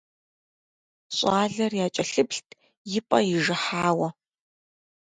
Щӏалэр якӀэлъыплът и пӀэ ижыхьауэ.